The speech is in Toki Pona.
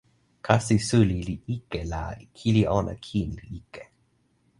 kasi suli li ike la kili ona kin li ike.